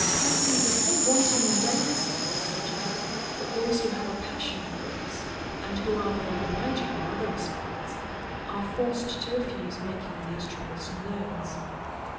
Persons are so wanting in delicacy on this subject, that those who have a passion for books, and who are very obliging in other respects, are forced to refuse making these troublesome loans.